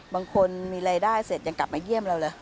บางคนมีรายได้เสร็จยังกลับมาเยี่ยมเราเลย